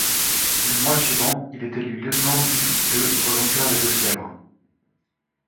Le mois suivant, il est élu lieutenant du de volontaires des Deux-Sèvres.